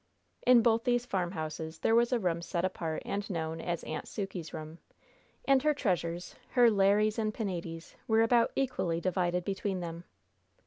In both these farmhouses there was a room set apart and known as "Aunt Sukey's room," and her treasures, her Lares and Penates, were about equally divided between them.